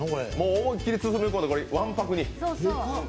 思いっきり包み込んでわんぱくに。